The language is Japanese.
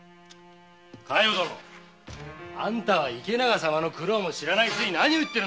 加代殿！あんたは池永様の苦労も知らないくせに何を言ってるんだ。